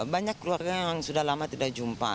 banyak keluarga yang sudah lama tidak jumpa